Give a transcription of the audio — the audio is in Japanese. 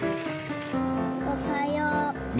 おはよう。